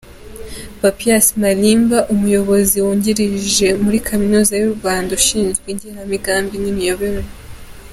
Papias Malimba, umuyobozi wungirije muri kaminuza y’u Rwanda ushinzwe igenamigambi n’imiyoborere.